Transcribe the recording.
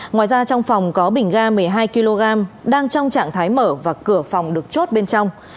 ngoài ra trong phòng có bình ga một mươi hai kg đang trong trạng thái mở và cửa phòng được chốt bên trong